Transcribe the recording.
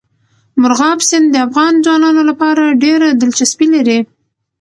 مورغاب سیند د افغان ځوانانو لپاره ډېره دلچسپي لري.